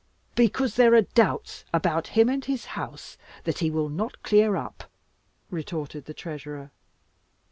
"Because there are doubts about him and his house which he will not clear up," retorted the Treasurer.